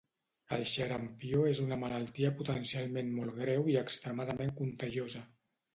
El xarampió és una malaltia potencialment molt greu i extremadament contagiosa.